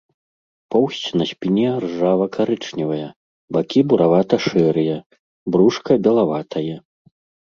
Поўсць на спіне ржава-карычневая, бакі буравата-шэрыя, брушка белаватае.